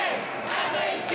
あと一球！